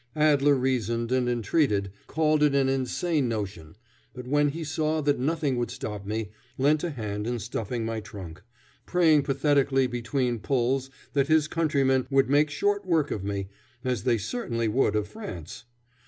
Adler reasoned and entreated, called it an insane notion, but, when he saw that nothing would stop me, lent a hand in stuffing my trunk, praying pathetically between pulls that his countrymen would make short work of me, as they certainly would of France.